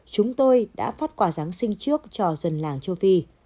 chúng tôi đã phát quà giáng sinh trước cho dân làng châu phi